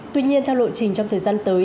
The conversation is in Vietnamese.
tuy nhiên theo lộ trình trong thời gian tới